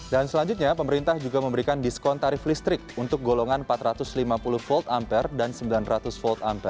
dan selanjutnya pemerintah juga memberikan diskon tarif listrik untuk golongan empat ratus lima puluh v dan sembilan ratus v